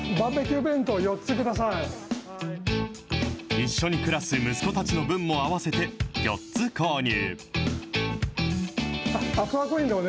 一緒に暮らす息子たちの分も合わせて４つ購入。